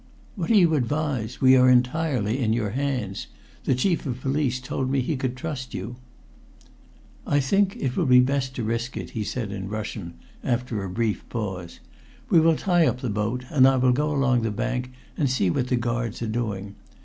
"What do you advise? We are entirely in your hands. The Chief of Police told me he could trust you." "I think it will be best to risk it," he said in Russian after a brief pause. "We will tie up the boat, and I will go along the bank and see what the guards are doing.